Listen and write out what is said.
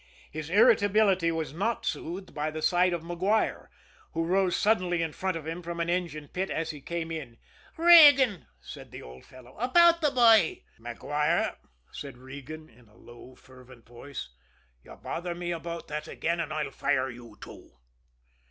His irritability was not soothed by the sight of Maguire, who rose suddenly in front of him from an engine pit as he came in. "Regan," said the old fellow, "about the bhoy " "Maguire," said Regan, in a low, fervent voice, "you bother me about that again and I'll fire you, too!"